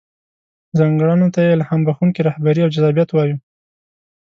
ځانګړنو ته يې الهام بښونکې رهبري او جذابيت وايو.